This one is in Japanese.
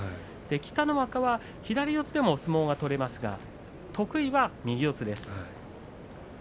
北の若は左四つでも相撲を取ることができますが得意は右四つです。